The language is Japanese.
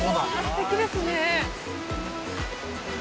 すてきですね。